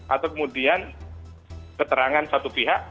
atau kemudian keterangan satu pihak